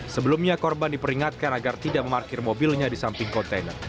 sebelumnya korban diperingatkan agar tidak memarkir mobilnya di samping kontainer